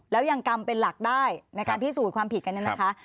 แล้วยังกำเป็นหลักได้ในการพิสูจน์ความผิดกันเนี่ยนะคะ